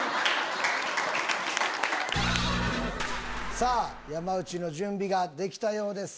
さぁ山内の準備ができたようです。